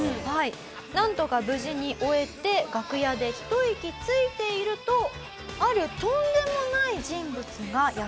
なんとか無事に終えて楽屋でひと息ついているとあるとんでもない人物がやって来たんです。